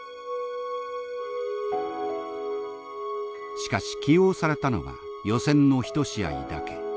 しかし起用されたのは予選の１試合だけ。